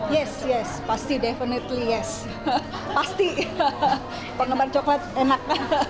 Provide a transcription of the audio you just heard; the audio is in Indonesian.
yes yes pasti definitely yes pasti penggemar coklat enak